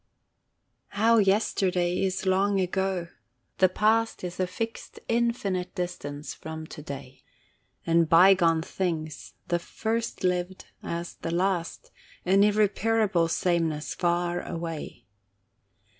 How yesterday is long ago! The past Is a fixed infinite distance from to day, And bygone things, the first lived as the last, In irreparable sameness far away.